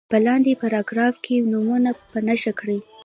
په لاندې پاراګراف کې نومونه په نښه کړي.